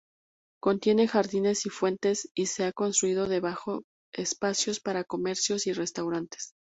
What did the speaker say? Contiene jardines y fuentes y se han construido debajo espacios para comercios y restaurantes.